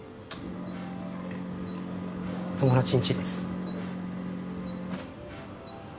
友達んちです